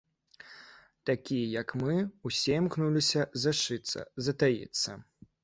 Такія, як мы, усё імкнуліся зашыцца, затаіцца.